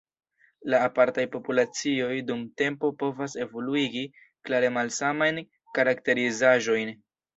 La apartaj populacioj dum tempo povas evoluigi klare malsamajn karakterizaĵojn.